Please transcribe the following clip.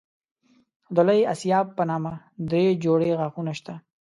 د لوی آسیاب په نامه دری جوړې غاښونه شته.